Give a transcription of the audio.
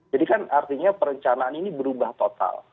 jadi kan artinya perencanaan ini berubah total